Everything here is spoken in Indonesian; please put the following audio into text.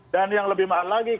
dan yang lebih mahal lagi